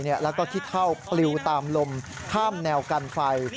และก็คิดเข้าปลิวตามลมข้ามแนวการไฟ